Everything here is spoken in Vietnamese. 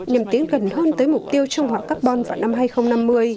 nhằm tiến gần hơn tới mục tiêu trung hòa carbon vào năm hai nghìn năm mươi